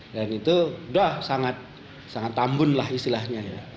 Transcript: dan itu sudah sangat tambun lah istilahnya